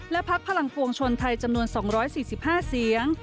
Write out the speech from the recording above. และพักพลังปวงชนไทยจำนวน๒๔๕เสียง